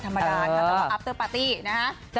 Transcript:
ต้องว่าอัพเตอร์ปาร์ตี้นะคะ